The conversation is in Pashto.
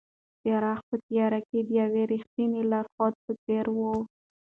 څراغ په تیاره کې د یوې رښتینې لارښود په څېر و.